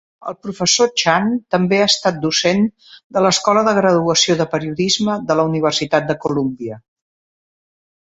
El professor Chan també ha estat docent de l'Escola de graduació de Periodisme de la Universitat de Columbia.